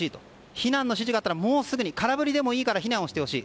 避難の指示があったらすぐに空振りでもいいから避難してほしい。